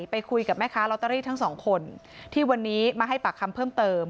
ไปคุยกับแม่ค้าลอตเตอรี่ทั้งสองคนที่วันนี้มาให้ปากคำเพิ่มเติม